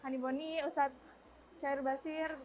hani boni ustadz syair basir